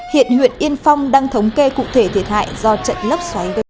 hiện huyện yên phong đang thống kê cụ thể thiệt hại do trận lốc xoáy